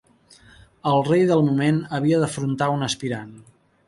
El rei del moment havia d'afrontar un aspirant.